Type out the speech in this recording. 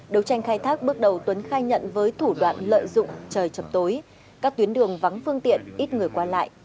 đấu tranh khai thác bước đầu tuấn khai nhận với thủ đoạn lợi dụng trời chập tối các tuyến đường vắng phương tiện ít người qua lại